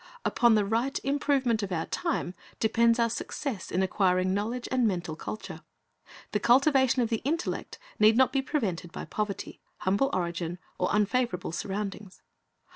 Upon the right improvement of our time depends our success in acquiring knowledge and mental culture. The cultivation of the intellect need not be prevented by poverty, humble origin, or unfavorable surroundings.